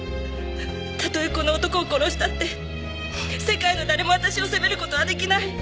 たとえこの男を殺したって世界の誰も私を責める事は出来ない。